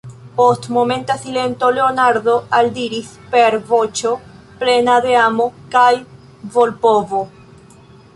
Post momenta silento Leonardo aldiris per voĉo plena de amo kaj volpovo: